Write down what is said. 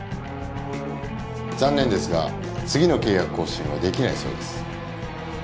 残念ですが次の契約更新はできないそうです。